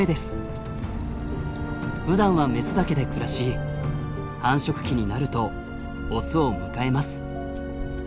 ふだんはメスだけで暮らし繁殖期になるとオスを迎えます。